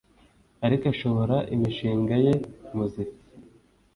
Ariko ashora imishinga ye mu muziki